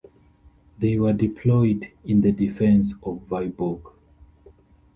They were deployed in the defence of Vyborg.